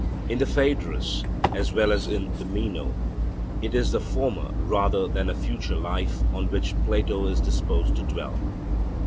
In the Phaedrus, as well as in the Meno, it is this former rather than a future life on which Plato is disposed to dwell.